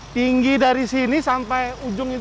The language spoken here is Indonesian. tinggi dari sini sampai ujung itu